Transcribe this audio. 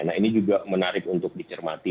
nah ini juga menarik untuk dicermati